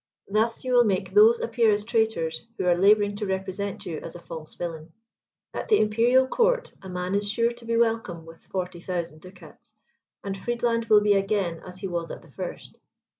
Thus you will make those appear as traitors, who are labouring to represent you as a false villain. At the Imperial Court, a man is sure to be welcome with 40,000 ducats, and Friedland will be again as he was at the first."